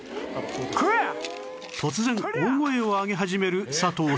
突然大声を上げ始める佐藤さん